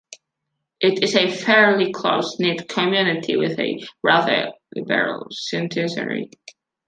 It is a fairly close-knit community, with a rather liberal citizenry.